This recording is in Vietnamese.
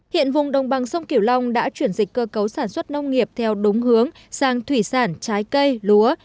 hiện vùng đồng bằng sông kiểu long đã chuyển dịch cơ cấu sản xuất nông nghiệp theo đúng hướng sang thủy sản trái cây lúa